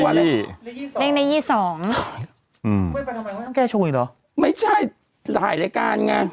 เขาไปทำไมต้องแก้ชงอีกหรอไม่ใช่ถ่ายรายการไง